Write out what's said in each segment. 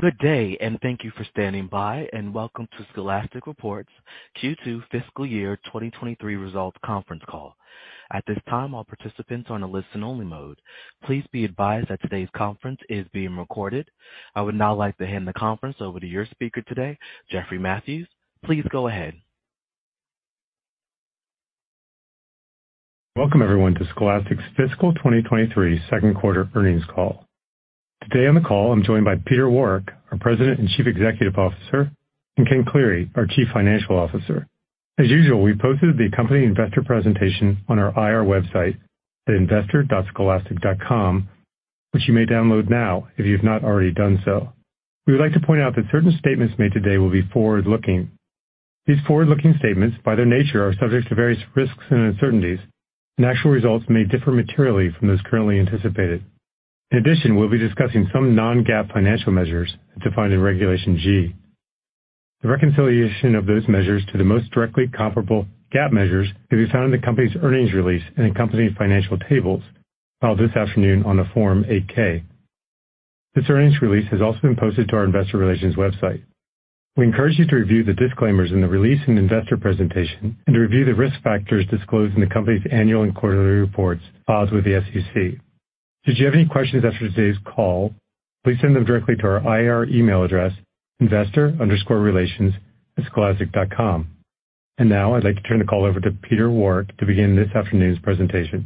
Good day, thank you for standing by, and welcome to Scholastic Reports Q2 Fiscal Year 2023 Results Conference Call. At this time, all participants are on a listen only mode. Please be advised that today's conference is being recorded. I would now like to hand the conference over to your speaker today, Jeffrey Mathews. Please go ahead. Welcome everyone to Scholastic's Fiscal 2023 Q2 Earnings Call. Today on the call, I'm joined by Peter Warwick, our President and Chief Executive Officer, and Ken Cleary, our Chief Financial Officer. As usual, we posted the accompanying investor presentation on our IR website at investor.scholastic.com, which you may download now if you've not already done so. We would like to point out that certain statements made today will be forward-looking. These forward-looking statements, by their nature, are subject to various risks and uncertainties, and actual results may differ materially from those currently anticipated. In addition, we'll be discussing some non-GAAP financial measures defined in Regulation G. The reconciliation of those measures to the most directly comparable GAAP measures can be found in the company's earnings release and accompanying financial tables filed this afternoon on a Form 8-K. This earnings release has also been posted to our investor relations website. We encourage you to review the disclaimers in the release and investor presentation and to review the risk factors disclosed in the company's annual and quarterly reports filed with the SEC. Should you have any questions after today's call, please send them directly to our IR email address, investor_relations@scholastic.com. Now I'd like to turn the call over to Peter Warwick to begin this afternoon's presentation.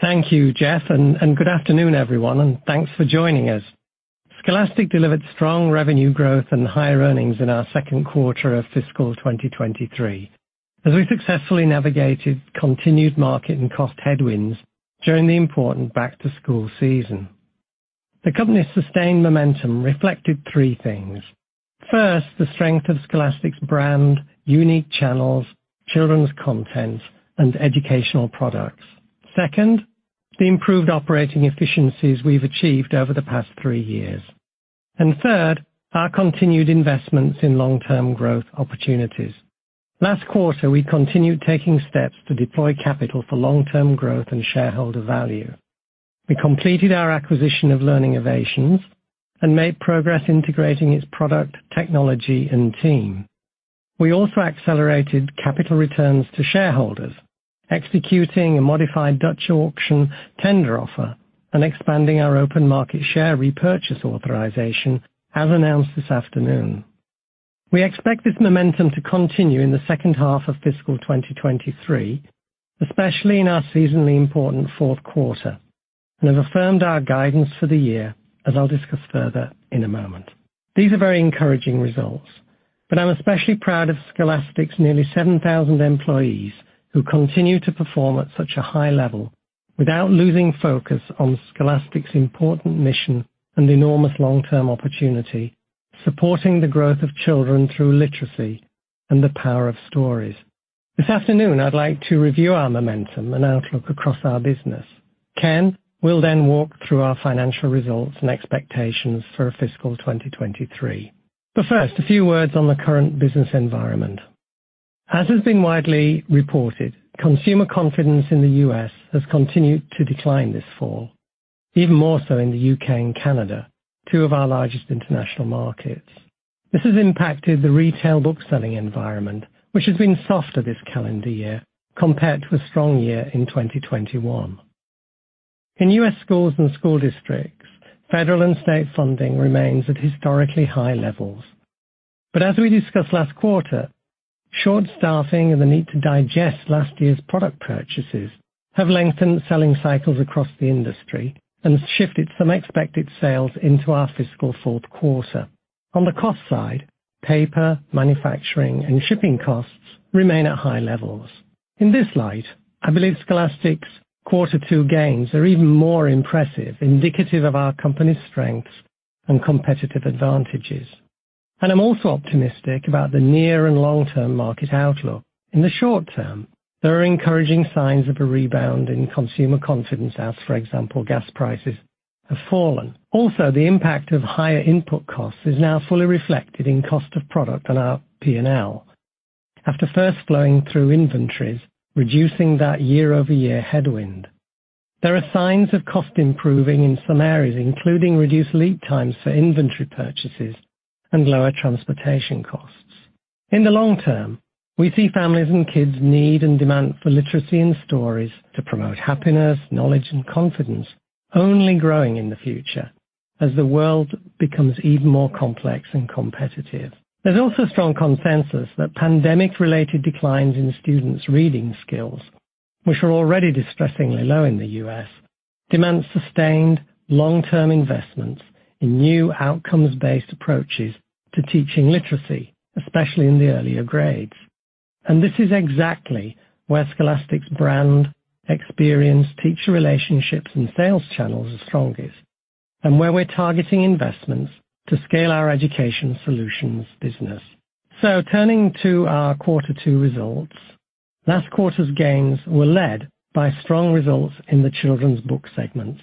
Thank you, Jeff, and good afternoon, everyone, and thanks for joining us. Scholastic delivered strong revenue growth and higher earnings in our Q2 of fiscal 2023 as we successfully navigated continued market and cost headwinds during the important back to school season. The company's sustained momentum reflected three things. First, the strength of Scholastic's brand, unique channels, children's content and educational products. Second, the improved operating efficiencies we've achieved over the past three years. Third, our continued investments in long-term growth opportunities. Last quarter, we continued taking steps to deploy capital for long-term growth and shareholder value. We completed our acquisition of Learning Ovations and made progress integrating its product, technology and team. We also accelerated capital returns to shareholders, executing a modified Dutch auction tender offer and expanding our open market share repurchase authorization, as announced this afternoon. We expect this momentum to continue in the H2 of fiscal 2023, especially in our seasonally important Q4, and have affirmed our guidance for the year, as I'll discuss further in a moment. These are very encouraging results, but I'm especially proud of Scholastic's nearly 7,000 employees who continue to perform at such a high level without losing focus on Scholastic's important mission and enormous long-term opportunity, supporting the growth of children through literacy and the power of stories. This afternoon, I'd like to review our momentum and outlook across our business. Ken will then walk through our financial results and expectations for fiscal 2023. First, a few words on the current business environment. As has been widely reported, consumer confidence in the U.S. has continued to decline this fall, even more so in the U.K. and Canada, two of our largest international markets. This has impacted the retail bookselling environment, which has been softer this calendar year compared to a strong year in 2021. In U.S. schools and school districts, federal and state funding remains at historically high levels. As we discussed last quarter, short staffing and the need to digest last year's product purchases have lengthened selling cycles across the industry and shifted some expected sales into our fiscal Q4. On the cost side, paper, manufacturing and shipping costs remain at high levels. In this light, I believe Scholastic's quarter two gains are even more impressive, indicative of our company's strengths and competitive advantages. I'm also optimistic about the near and long-term market outlook. In the short term, there are encouraging signs of a rebound in consumer confidence as, for example, gas prices have fallen. The impact of higher input costs is now fully reflected in cost of product on our P&L after first flowing through inventories, reducing that year-over-year headwind. There are signs of cost improving in some areas, including reduced lead times for inventory purchases and lower transportation costs. In the long term, we see families and kids need and demand for literacy and stories to promote happiness, knowledge and confidence only growing in the future as the world becomes even more complex and competitive. There's also strong consensus that pandemic-related declines in students' reading skills, which are already distressingly low in the U.S., demand sustained long-term investments in new outcomes-based approaches to teaching literacy, especially in the earlier grades. This is exactly where Scholastic's brand, experience, teacher relationships and sales channels are strongest and where we're targeting investments to scale our Education Solutions business. Turning to our Q2 results. Last quarter's gains were led by strong results in the children's book segments.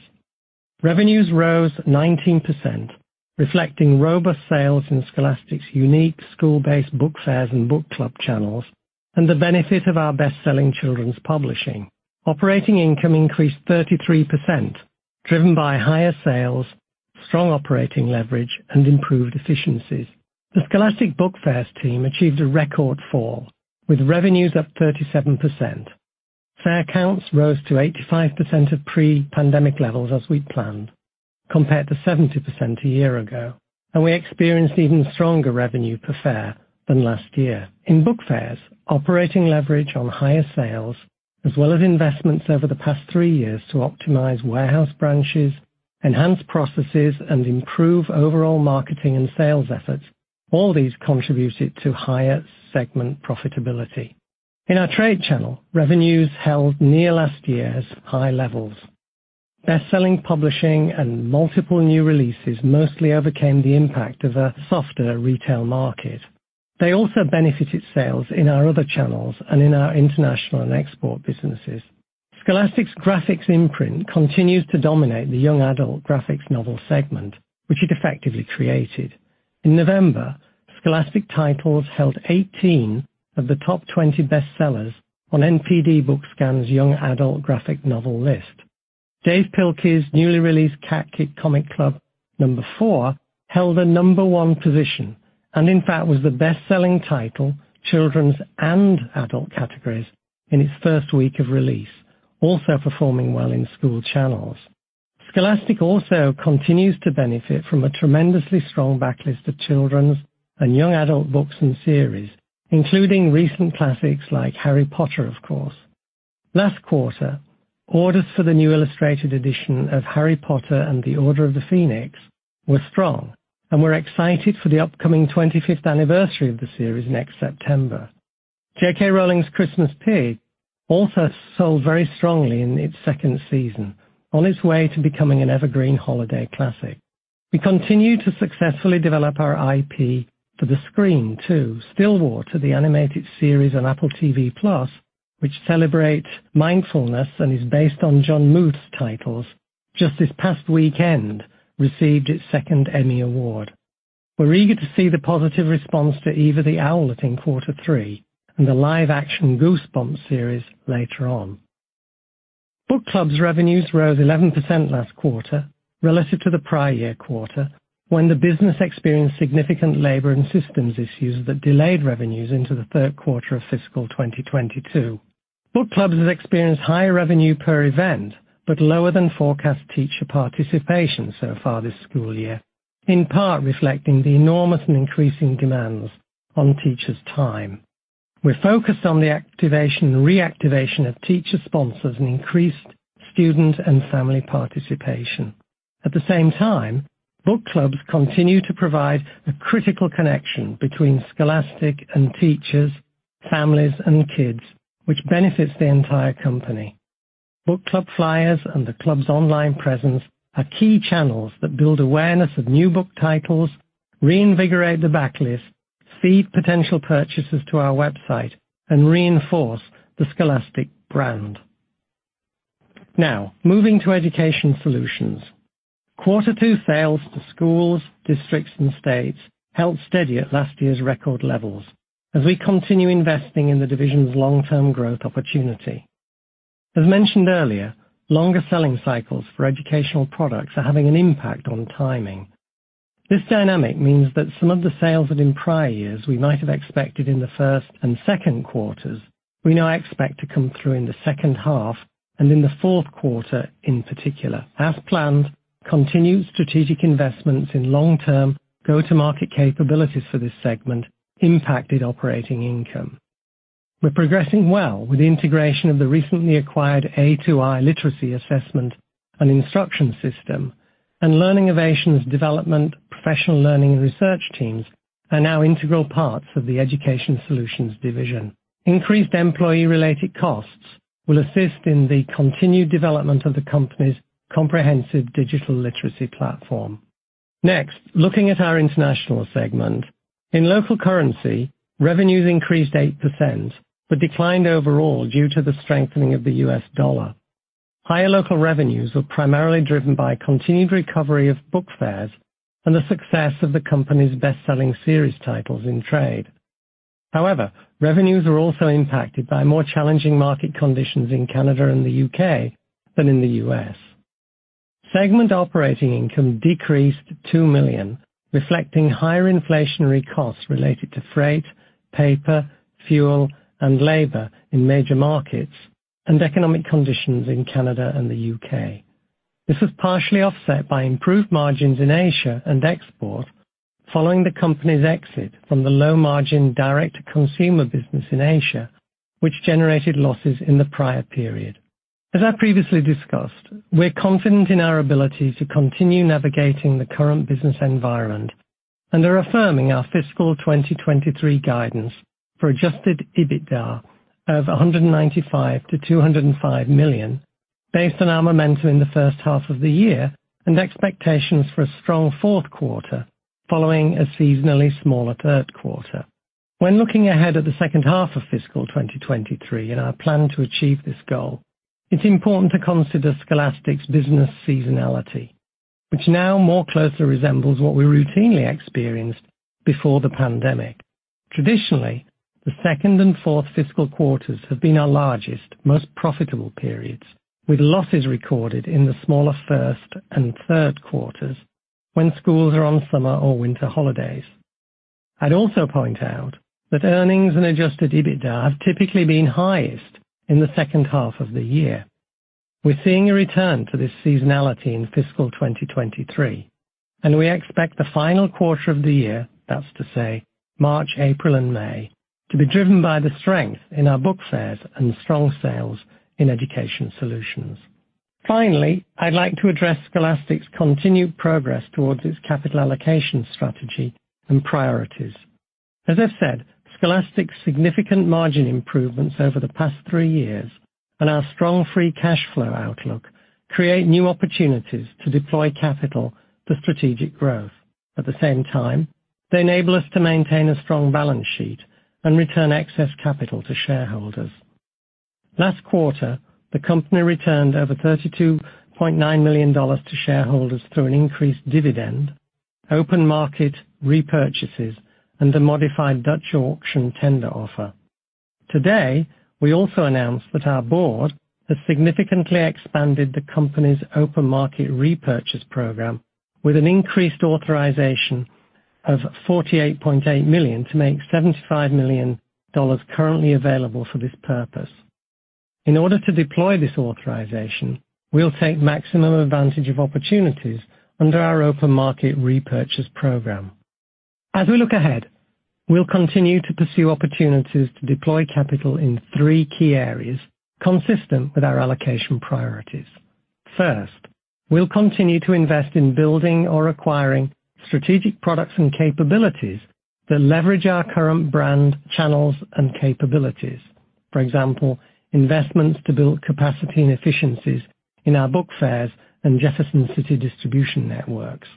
Revenues rose 19%, reflecting robust sales in Scholastic's unique school-based book fairs and book club channels. The benefit of our best-selling children's publishing. Operating income increased 33%, driven by higher sales, strong operating leverage, and improved efficiencies. The Scholastic Book Fairs team achieved a record fall, with revenues up 37%. Fair counts rose to 85% of pre-pandemic levels as we'd planned, compared to 70% a year ago. We experienced even stronger revenue per fair than last year. In book fairs, operating leverage on higher sales, as well as investments over the past three years to optimize warehouse branches, enhance processes, and improve overall marketing and sales efforts, all these contributed to higher segment profitability. In our trade channel, revenues held near last year's high levels. Best-selling publishing and multiple new releases mostly overcame the impact of a softer retail market. They also benefited sales in our other channels and in our international and export businesses. Scholastic's Graphix imprint continues to dominate the young adult graphic novel segment, which it effectively created. In November, Scholastic titles held 18 of the top 20 bestsellers on NPD BookScan's young adult graphic novel list. Dav Pilkey's newly released Cat Kid Comic Club number four held a number one position, and in fact, was the best-selling title, children's and adult categories, in its first week of release, also performing well in school channels. Scholastic also continues to benefit from a tremendously strong backlist of children's and young adult books and series, including recent classics like Harry Potter, of course. Last quarter, orders for the new illustrated edition of Harry Potter and the Order of the Phoenix were strong. We're excited for the upcoming 25th anniversary of the series next September. J.K. Rowling's The Christmas Pig also sold very strongly in its second season, on its way to becoming an evergreen holiday classic. We continue to successfully develop our IP for the screen too. Stillwater, the animated series on Apple TV+, which celebrates mindfulness and is based on Jon Muth's titles, just this past weekend received its second Emmy Award. We're eager to see the positive response to Eva the Owlet in Q3 and the live-action Goosebumps series later on. Book clubs revenues rose 11% last quarter relative to the prior year quarter when the business experienced significant labor and systems issues that delayed revenues into the Q3 of fiscal 2022. Book Clubs has experienced higher revenue per event, but lower than forecast teacher participation so far this school year, in part reflecting the enormous and increasing demands on teachers' time. We're focused on the activation and reactivation of teacher sponsors and increased student and family participation. At the same time, Book Clubs continue to provide a critical connection between Scholastic and teachers, families, and kids, which benefits the entire company. Book Club flyers and the club's online presence are key channels that build awareness of new book titles, reinvigorate the backlist, feed potential purchases to our website, and reinforce the Scholastic brand. Moving to Education Solutions. Q2 sales to schools, districts, and states held steady at last year's record levels as we continue investing in the division's long-term growth opportunity. As mentioned earlier, longer selling cycles for educational products are having an impact on timing. This dynamic means that some of the sales that in prior years we might have expected in the Q1 and Q2, we now expect to come through in the H2 and in the Q4, in particular. As planned, continued strategic investments in long-term go-to-market capabilities for this segment impacted operating income. We're progressing well with the integration of the recently acquired A2i literacy assessment and instruction system and Learning Ovations' development, professional learning, and research teams are now integral parts of the Education Solutions division. Increased employee-related costs will assist in the continued development of the company's comprehensive digital literacy platform. Next, looking at our international segment. In local currency, revenues increased 8%, but declined overall due to the strengthening of the US dollar. Higher local revenues were primarily driven by continued recovery of book fairs and the success of the company's best-selling series titles in trade. Revenues were also impacted by more challenging market conditions in Canada and the U.K. than in the U.S. Segment operating income decreased to $2 million, reflecting higher inflationary costs related to freight, paper, fuel, and labor in major markets and economic conditions in Canada and the U.K. This was partially offset by improved margins in Asia and export following the company's exit from the low-margin direct-to-consumer business in Asia, which generated losses in the prior period. As I previously discussed, we're confident in our ability to continue navigating the current business environment and are affirming our fiscal 2023 guidance for adjusted EBITDA of $195 million to $205 million based on our momentum in the H1 of the year and expectations for a strong Q4 following a seasonally smaller Q3. When looking ahead at the H2 of fiscal 2023 and our plan to achieve this goal, it's important to consider Scholastic's business seasonality. Which now more closely resembles what we routinely experienced before the pandemic. Traditionally, the Q2 and Q4 have been our largest, most profitable periods, with losses recorded in the smaller Q1 and Q3 when schools are on summer or winter holidays. I'd also point out that earnings and adjusted EBITDA have typically been highest in the H2 of the year. We're seeing a return to this seasonality in fiscal 2023, and we expect the final quarter of the year, that's to say March, April, and May, to be driven by the strength in our book fairs and strong sales in Education Solutions. Finally, I'd like to address Scholastic's continued progress towards its capital allocation strategy and priorities. As I said, Scholastic's significant margin improvements over the past three years and our strong free cash flow outlook create new opportunities to deploy capital for strategic growth. At the same time, they enable us to maintain a strong balance sheet and return excess capital to shareholders. Last quarter, the company returned over $32.9 million to shareholders through an increased dividend, open market repurchases, and a modified Dutch auction tender offer. Today, we also announced that our board has significantly expanded the company's open market repurchase program with an increased authorization of $48.8 million to make $75 million currently available for this purpose. In order to deploy this authorization, we'll take maximum advantage of opportunities under our open market repurchase program. As we look ahead, we'll continue to pursue opportunities to deploy capital in three key areas consistent with our allocation priorities. First, we'll continue to invest in building or acquiring strategic products and capabilities that leverage our current brand, channels, and capabilities. For example, investments to build capacity and efficiencies in our book fairs and Jefferson City distribution networks.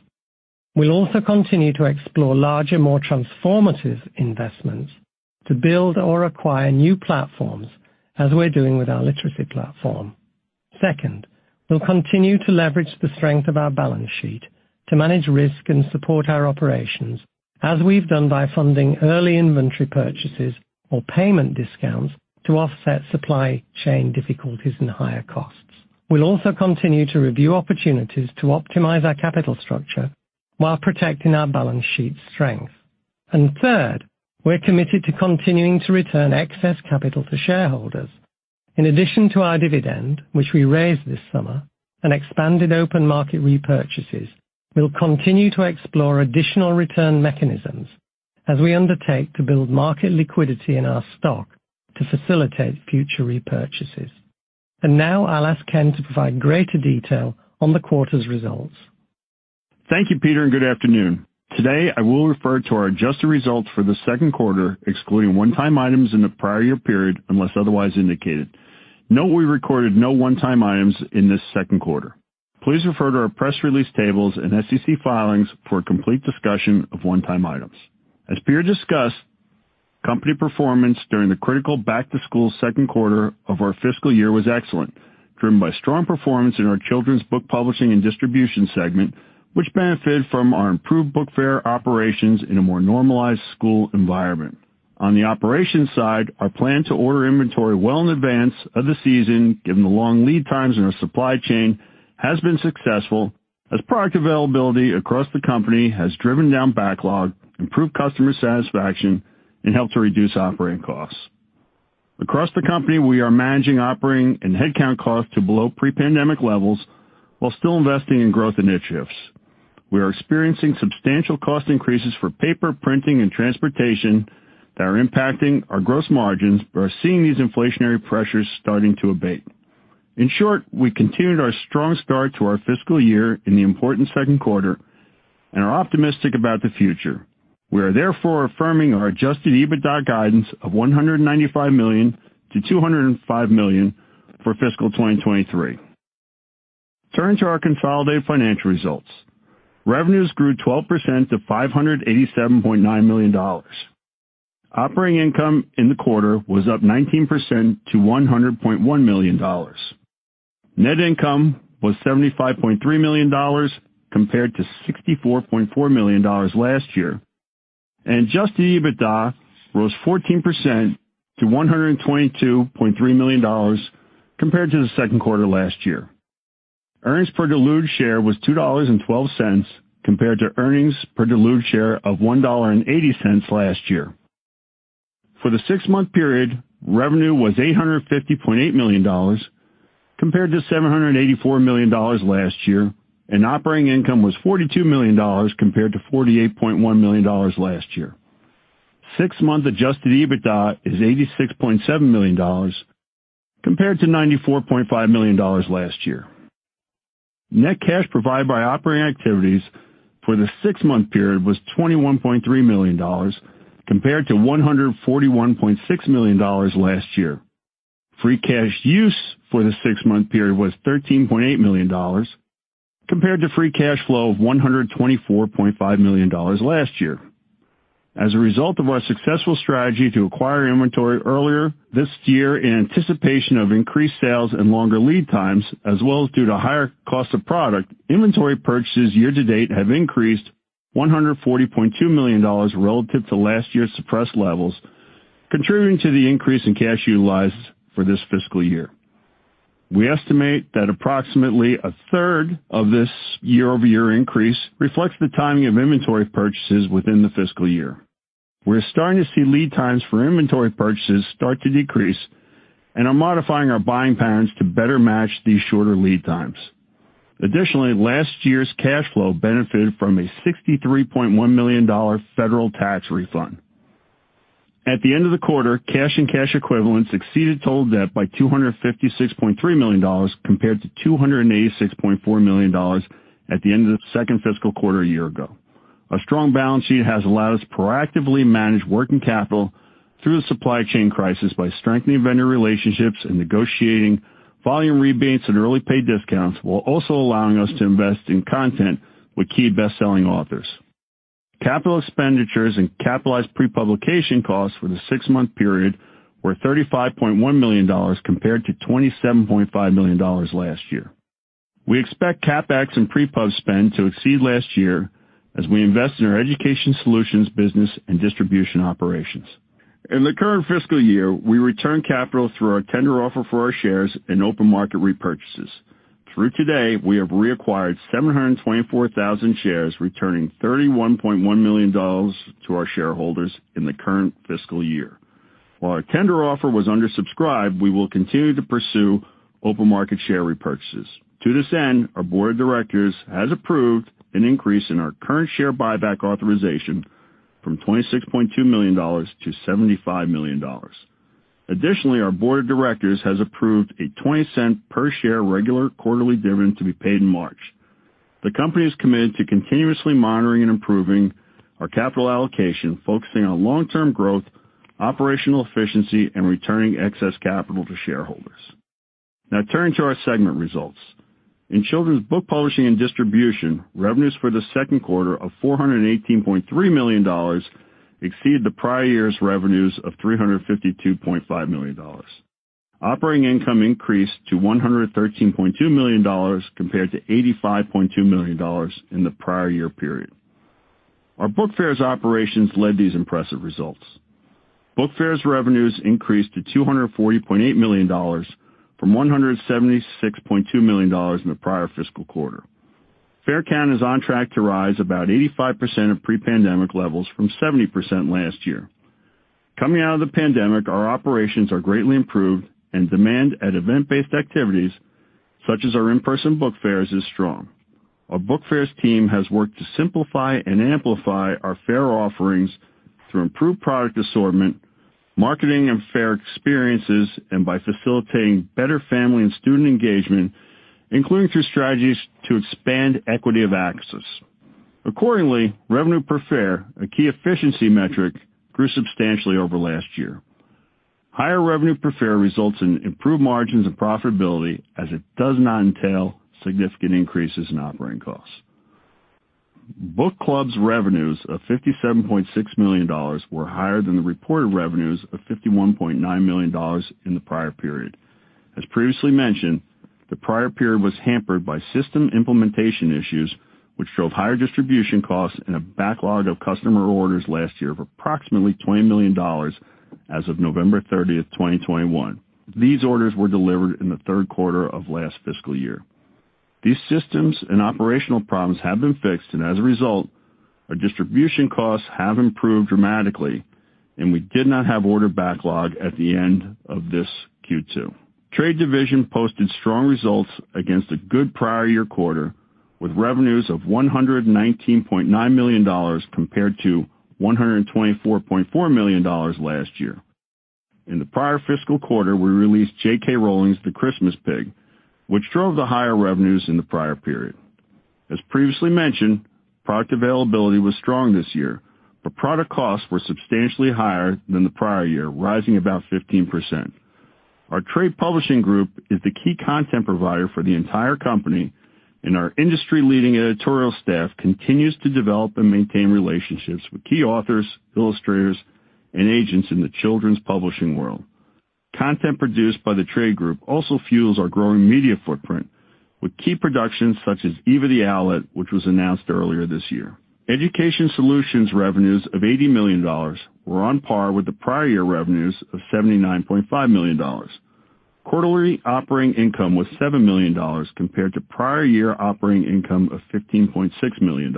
We'll also continue to explore larger, more transformative investments to build or acquire new platforms as we're doing with our literacy platform. Second, we'll continue to leverage the strength of our balance sheet to manage risk and support our operations as we've done by funding early inventory purchases or payment discounts to offset supply chain difficulties and higher costs. We'll also continue to review opportunities to optimize our capital structure while protecting our balance sheet strength. Third, we're committed to continuing to return excess capital to shareholders. In addition to our dividend, which we raised this summer, and expanded open market repurchases, we'll continue to explore additional return mechanisms as we undertake to build market liquidity in our stock to facilitate future repurchases. Now I'll ask Ken to provide greater detail on the quarter's results. Thank you, Peter, and good afternoon. Today, I will refer to our adjusted results for the Q2, excluding one-time items in the prior year period, unless otherwise indicated. Note we recorded no one-time items in this Q2. Please refer to our press release tables and SEC filings for a complete discussion of one-time items. As Peter discussed, company performance during the critical back-to-school Q2 of our fiscal year was excellent, driven by strong performance in our children's book publishing and distribution segment, which benefit from our improved book fair operations in a more normalized school environment. On the operations side, our plan to order inventory well in advance of the season, given the long lead times in our supply chain, has been successful as product availability across the company has driven down backlog, improved customer satisfaction, and helped to reduce operating costs. Across the company, we are managing operating and headcount costs to below pre-pandemic levels while still investing in growth initiatives. We are experiencing substantial cost increases for paper, printing, and transportation that are impacting our gross margins, but are seeing these inflationary pressures starting to abate. In short, we continued our strong start to our fiscal year in the important Q2 and are optimistic about the future. We are therefore affirming our adjusted EBITDA guidance of $195 million to $205 million for fiscal 2023. Turning to our consolidated financial results. Revenues grew 12% to $587.9 million. Operating income in the quarter was up 19% to $100.1 million. Net income was $75.3 million compared to $64.4 million last year. Adjusted EBITDA rose 14% to $122.3 million compared to the Q2 last year. Earnings per diluted share was $2.12 compared to earnings per diluted share of $1.80 last year. For the six-month period, revenue was $850.8 million compared to $784 million last year, and operating income was $42 million compared to $48.1 million last year. Six-month adjusted EBITDA is $86.7 million compared to $94.5 million last year. Net cash provided by operating activities for the six-month period was $21.3 million compared to $141.6 million last year. Free cash use for the six-month period was $13.8 million compared to free cash flow of $124.5 million last year. As a result of our successful strategy to acquire inventory earlier this year in anticipation of increased sales and longer lead times as well as due to higher cost of product, inventory purchases year-to-date have increased $140.2 million relative to last year's suppressed levels, contributing to the increase in cash utilized for this fiscal year. We estimate that approximately a third of this year-over-year increase reflects the timing of inventory purchases within the fiscal year. We're starting to see lead times for inventory purchases start to decrease and are modifying our buying patterns to better match these shorter lead times. Additionally, last year's cash flow benefited from a $63.1 million federal tax refund. At the end of the quarter, cash and cash equivalents exceeded total debt by $256.3 million compared to $286.4 million at the end of the second fiscal quarter a year ago. Our strong balance sheet has allowed us to proactively manage working capital through the supply chain crisis by strengthening vendor relationships and negotiating volume rebates and early pay discounts, while also allowing us to invest in content with key best-selling authors. Capital expenditures and capitalized pre-publication costs for the six-month period were $35.1 million compared to $27.5 million last year. We expect CapEx and pre-pub spend to exceed last year as we invest in our Education Solutions business and distribution operations. In the current fiscal year, we returned capital through our tender offer for our shares and open market repurchases. Through today, we have reacquired 724,000 shares, returning $31.1 million to our shareholders in the current fiscal year. While our tender offer was undersubscribed, we will continue to pursue open market share repurchases. To this end, our board of directors has approved an increase in our current share buyback authorization from $26.2 million to $75 million. Additionally, our board of directors has approved a $0.20 per share regular quarterly dividend to be paid in March. The company is committed to continuously monitoring and improving our capital allocation, focusing on long-term growth, operational efficiency, and returning excess capital to shareholders. Turning to our segment results. In children's book publishing and distribution, revenues for the Q2 of $418.3 million exceed the prior year's revenues of $352.5 million. Operating income increased to $113.2 million compared to $85.2 million in the prior year period. Our Book Fairs operations led these impressive results. Book Fairs revenues increased to $240.8 million from $176.2 million in the prior fiscal quarter. Fair count is on track to rise about 85% of pre-pandemic levels from 70% last year. Coming out of the pandemic, our operations are greatly improved and demand at event-based activities such as our in-person Book Fairs is strong. Our book fairs team has worked to simplify and amplify our fair offerings through improved product assortment, marketing, and fair experiences, and by facilitating better family and student engagement, including through strategies to expand equity of access. Revenue per fair, a key efficiency metric, grew substantially over last year. Higher revenue per fair results in improved margins and profitability as it does not entail significant increases in operating costs. Book clubs revenues of $57.6 million were higher than the reported revenues of $51.9 million in the prior period. As previously mentioned, the prior period was hampered by system implementation issues which drove higher distribution costs and a backlog of customer orders last year of approximately $20 million as of November 30, 2021. These orders were delivered in the Q3 of last fiscal year. These systems and operational problems have been fixed. As a result, our distribution costs have improved dramatically. We did not have order backlog at the end of this Q2. Trade division posted strong results against a good prior year quarter, with revenues of $119.9 million compared to $124.4 million last year. In the prior fiscal quarter, we released J.K. Rowling's The Christmas Pig, which drove the higher revenues in the prior period. As previously mentioned, product availability was strong this year, product costs were substantially higher than the prior year, rising about 15%. Our trade publishing group is the key content provider for the entire company, our industry-leading editorial staff continues to develop and maintain relationships with key authors, illustrators, and agents in the children's publishing world. Content produced by the trade group also fuels our growing media footprint with key productions such as Eva the Owlet, which was announced earlier this year. Education Solutions revenues of $80 million were on par with the prior year revenues of $79.5 million. Quarterly operating income was $7 million compared to prior year operating income of $15.6 million.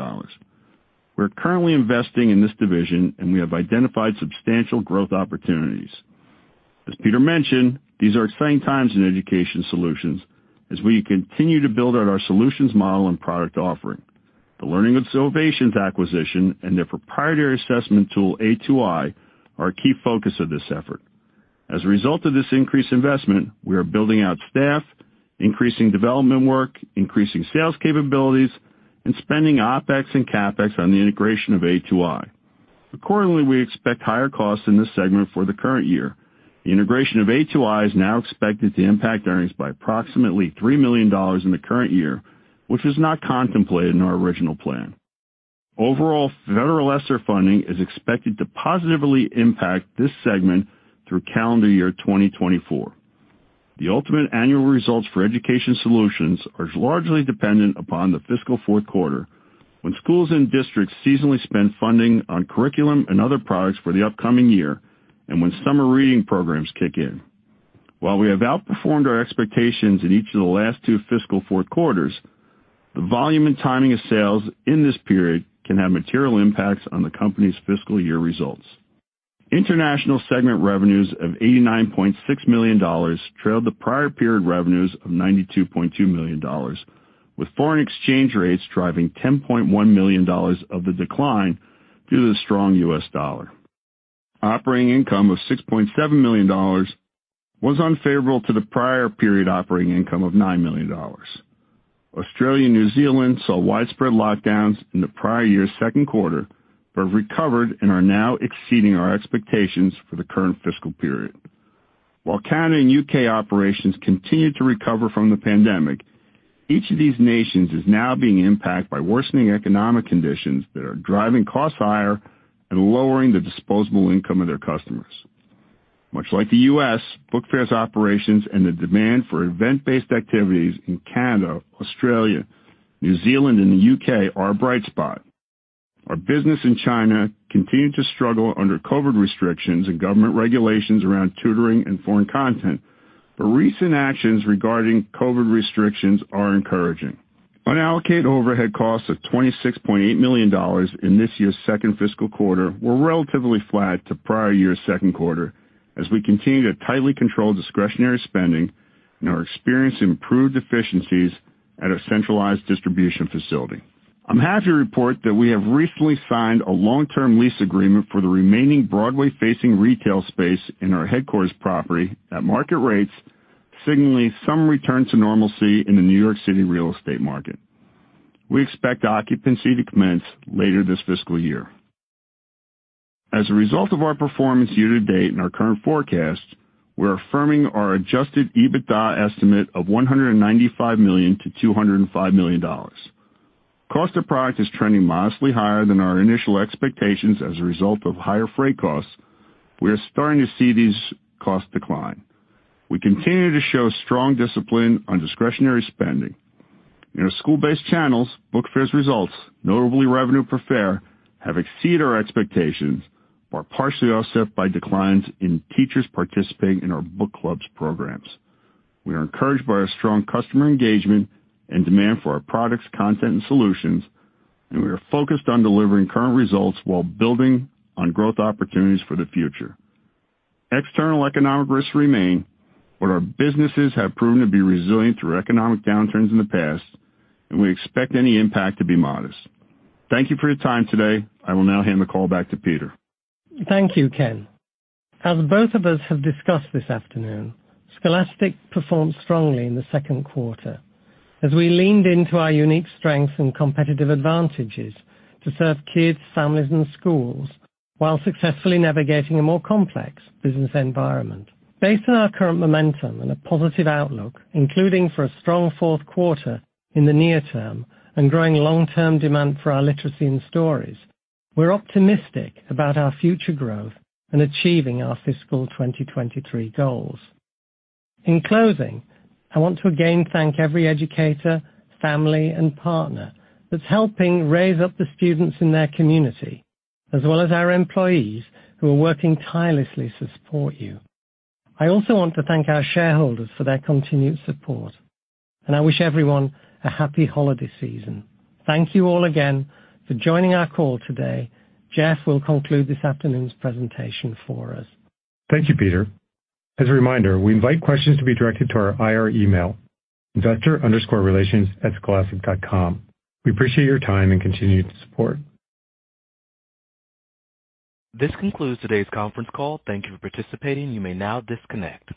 We're currently investing in this division, and we have identified substantial growth opportunities. As Peter mentioned, these are exciting times in Education Solutions as we continue to build out our solutions model and product offering. The Learning Ovations acquisition and their proprietary assessment tool, A2i, are a key focus of this effort. As a result of this increased investment, we are building out staff, increasing development work, increasing sales capabilities, and spending OpEx and CapEx on the integration of A2i. Accordingly, we expect higher costs in this segment for the current year. The integration of A2i is now expected to impact earnings by approximately $3 million in the current year, which was not contemplated in our original plan. Overall, federal ESSER funding is expected to positively impact this segment through calendar year 2024. The ultimate annual results for Education Solutions are largely dependent upon the fiscal Q4, when schools and districts seasonally spend funding on curriculum and other products for the upcoming year and when summer reading programs kick in. While we have outperformed our expectations in each of the last two fiscal Q4s, the volume and timing of sales in this period can have material impacts on the company's fiscal year results. International segment revenues of $89.6 million trailed the prior period revenues of $92.2 million, with foreign exchange rates driving $10.1 million of the decline due to the strong US dollar. Operating income of $6.7 million was unfavorable to the prior period operating income of $9 million. Australia and New Zealand saw widespread lockdowns in the prior year's Q2, recovered and are now exceeding our expectations for the current fiscal period. While Canada and U.K. operations continued to recover from the pandemic, each of these nations is now being impacted by worsening economic conditions that are driving costs higher and lowering the disposable income of their customers. Much like the U.S., Book Fair's operations and the demand for event-based activities in Canada, Australia, New Zealand, and the UK are a bright spot. Our business in China continued to struggle under COVID restrictions and government regulations around tutoring and foreign content. Recent actions regarding COVID restrictions are encouraging. Unallocated overhead costs of $26.8 million in this year's second fiscal quarter were relatively flat to prior year's Q2 as we continue to tightly control discretionary spending and are experiencing improved efficiencies at our centralized distribution facility. I'm happy to report that we have recently signed a long-term lease agreement for the remaining Broadway-facing retail space in our headquarters property at market rates, signaling some return to normalcy in the New York City real estate market. We expect occupancy to commence later this fiscal year. As a result of our performance year to date and our current forecast, we're affirming our adjusted EBITDA estimate of $195 million to $205 million. Cost of product is trending modestly higher than our initial expectations as a result of higher freight costs. We are starting to see these costs decline. We continue to show strong discipline on discretionary spending. In our school-based channels, Book Fair's results, notably revenue per fair, have exceeded our expectations but are partially offset by declines in teachers participating in our book clubs programs. We are encouraged by our strong customer engagement and demand for our products, content, and solutions, and we are focused on delivering current results while building on growth opportunities for the future. External economic risks remain, but our businesses have proven to be resilient through economic downturns in the past, and we expect any impact to be modest. Thank you for your time today. I will now hand the call back to Peter. Thank you, Ken. As both of us have discussed this afternoon, Scholastic performed strongly in the Q2 as we leaned into our unique strengths and competitive advantages to serve kids, families, and schools while successfully navigating a more complex business environment. Based on our current momentum and a positive outlook, including for a strong Q4 in the near term and growing long-term demand for our literacy and stories, we're optimistic about our future growth and achieving our fiscal 2023 goals. In closing, I want to again thank every educator, family, and partner that's helping raise up the students in their community, as well as our employees who are working tirelessly to support you. I also want to thank our shareholders for their continued support, and I wish everyone a happy holiday season. Thank you all again for joining our call today. Jeff will conclude this afternoon's presentation for us. Thank you, Peter. As a reminder, we invite questions to be directed to our IR email, investor_relations@scholastic.com. We appreciate your time and continued support. This concludes today's conference call. Thank you for participating. You may now disconnect.